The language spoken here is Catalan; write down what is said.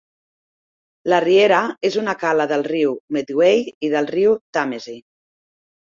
La riera és una cala del riu Medway i del riu Tàmesi.